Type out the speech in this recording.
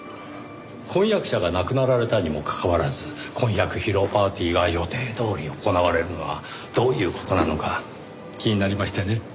婚約者が亡くなられたにもかかわらず婚約披露パーティーが予定どおり行われるのはどういう事なのか気になりましてね。